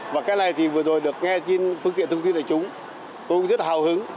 và cái này thì vừa rồi được nghe trên phương tiện thông tin đại chúng tôi cũng rất hào hứng